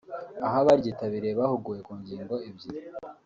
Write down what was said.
aho abaryitabiriye bahuguwe ku ngingo ebyiri